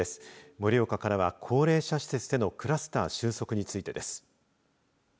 盛岡からは高齢者施設でのクラスター収束についてです。